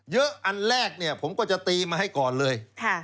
อันแรกเนี่ยผมก็จะตีมาให้ก่อนเลย